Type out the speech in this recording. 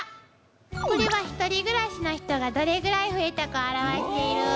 これは一人暮らしの人がどれぐらい増えたかを表している。